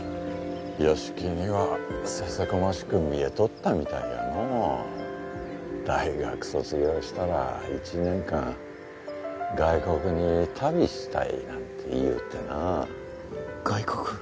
由樹にはせせこましく見えとったみたいやのう大学卒業したら１年間外国に旅したいなんて言いよってな外国？